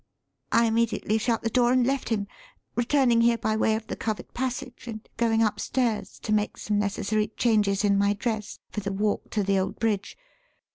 I immediately shut the door and left him, returning here by way of the covered passage and going upstairs to make some necessary changes in my dress for the walk to the old bridge.